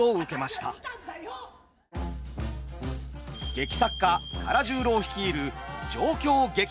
劇作家唐十郎率いる状況劇場。